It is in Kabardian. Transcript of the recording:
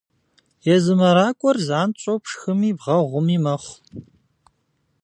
Езы мэракӏуэр занщӏэу пшхыми бгъэгъуми мэхъу.